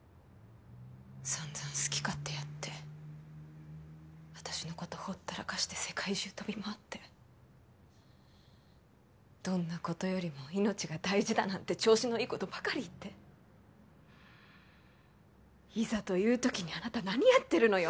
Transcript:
散々好き勝手やって私のことほったらかして世界中飛び回って「どんなことよりも命が大事」だなんて調子のいいことばかり言っていざという時にあなた何やってるのよ！？